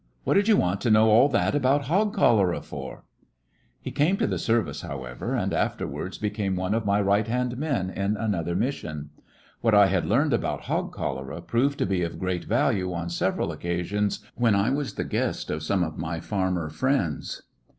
What did you want to know all that about hog cholera fort" He came to the service, however, and after wards became one of my right hand men in another mission. What I had learned about hog cholera proved to be of great value on several occasions when I was the guest of some of my farmer friends.